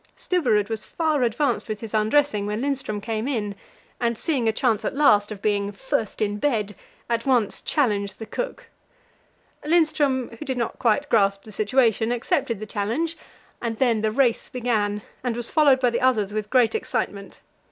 Stubberud was far advanced with his undressing when Lindström came in, and, seeing a chance at last of being "first in bed," at once challenged the cook. Lindström, who did not quite grasp the situation, accepted the challenge, and then the race began, and was followed by the others with great excitement.